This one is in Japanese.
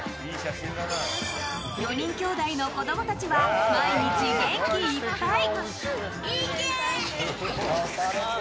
４人兄弟の子供たちは毎日元気いっぱい！